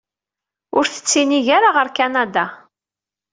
Ur tettinig ara ɣer Kanada.